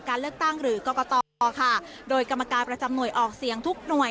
การเลือกตั้งหรือกรกตค่ะโดยกรรมการประจำหน่วยออกเสียงทุกหน่วย